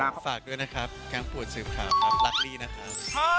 ฝากด้วยนะครับแก๊งปวดสืบข่าวครับรักบี้นะครับ